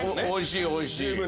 おいしいおいしい。